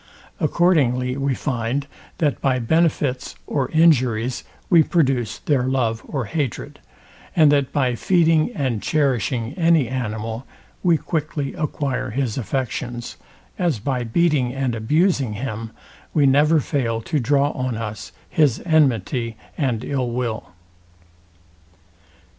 Accordingly we find, that by benefits or injuries we produce their love or hatred; and that by feeding and cherishing any animal, we quickly acquire his affections; as by beating and abusing him we never fail to draw on us his enmity and ill will.